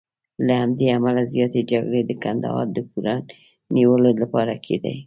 له همدې امله زیاتې جګړې د کندهار د پوره نیولو لپاره کېدې.